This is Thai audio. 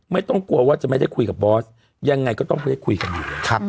ไม่ต้องกลัวว่าจะไม่ได้คุยกับบอสยังไงก็ต้องได้คุยกันอยู่